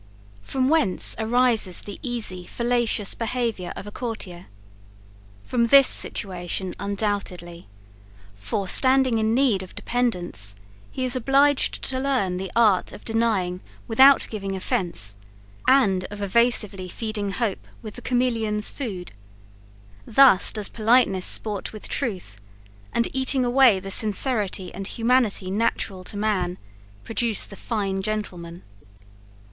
>From whence arises the easy fallacious behaviour of a courtier? >From this situation, undoubtedly: for standing in need of dependents, he is obliged to learn the art of denying without giving offence, and, of evasively feeding hope with the chameleon's food; thus does politeness sport with truth, and eating away the sincerity and humanity natural to man, produce the fine gentleman.